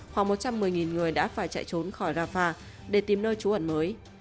khoảng một trăm một mươi người đã phải chạy trốn khỏi rafah để tìm nơi trú ẩn mới